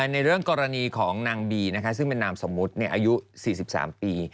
ในเรื่องกรณีของนางบีซึ่งเป็นนามสมมุติอายุ๔๓ปี